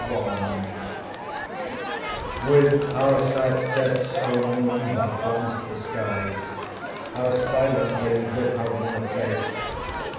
I With how sad steps, O Moon, thou climb'st the skies; How silently; and with how wan a face!